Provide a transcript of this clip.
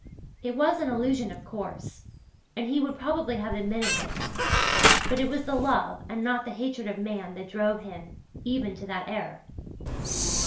It was an illusion, of course, and he would probably have admitted this; but it was the love and not the hatred of man that drove him even to that error.